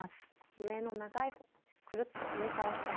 上の長い方くるっと上から下へ。